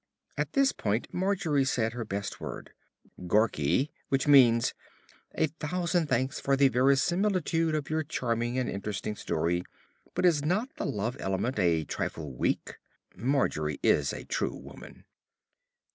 At this point Margery said her best word, "Gorky," which means, "A thousand thanks for the verisimilitude of your charming and interesting story, but is not the love element a trifle weak?" (Margery is a true woman.)